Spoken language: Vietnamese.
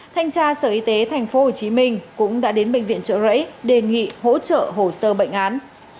thanh tra sở y tế tp hcm cũng đã đến bệnh viện trợ rẫy đề nghị hỗ trợ hồ sơ bệnh án